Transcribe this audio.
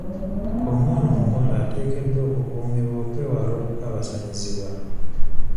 Omwana omuwala ateekeddwa okukuumibwa okwewala okukabasanyizibwa.